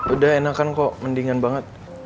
udah enakan kok mendingan banget